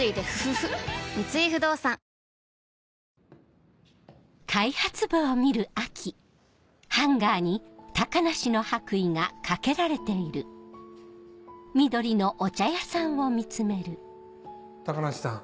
三井不動産高梨さん